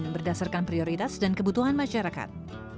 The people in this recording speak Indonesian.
berdasarkan prioritas dan kebutuhan masyarakat